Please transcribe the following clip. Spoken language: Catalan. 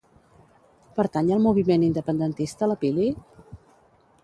Pertany al moviment independentista la Pili?